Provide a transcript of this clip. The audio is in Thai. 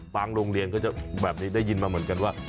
ปล่างโรงเรียนก็ได้ยินมาเหมือนกันันว่า